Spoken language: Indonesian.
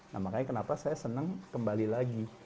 nah makanya kenapa saya senang kembali lagi